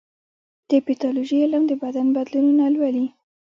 د پیتالوژي علم د بدن بدلونونه لولي.